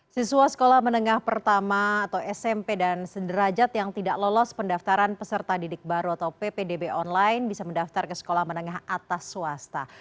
siswa sekolah menengah pertama atau smp dan sederajat yang tidak lolos pendaftaran peserta didik baru atau ppdb online bisa mendaftar ke sekolah menengah atas swasta